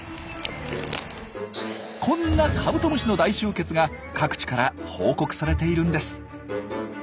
こんなカブトムシの大集結が各地から報告されているんです。